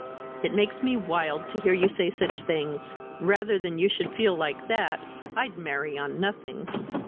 "It makes me wild to hear you say such things. Rather than you should feel like that, I'd marry on nothing."